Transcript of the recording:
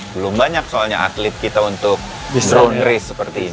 belum banyak soalnya atlet kita untuk drone race seperti ini